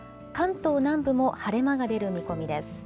関東南部も晴れ間が出る見込みです。